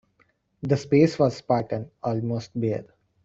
The space was spartan, almost bare.